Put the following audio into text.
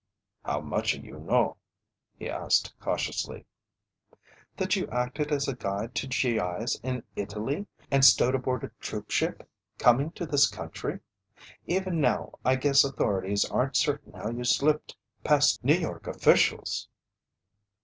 "How mucha you know?" he asked cautiously. "That you acted as a guide to G.I.'s in Italy and stowed aboard a troopship coming to this country. Even now, I guess authorities aren't certain how you slipped past New York officials."